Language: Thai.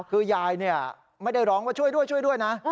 คือยายไม่ได้ร้องว่าช่วยด้วยช่วยด้วยนะ